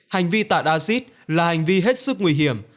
hành vi tạ acid là hành vi hết sức nguy hiểm